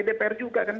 dpr juga kan